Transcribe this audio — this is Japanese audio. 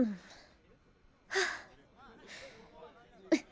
はあ。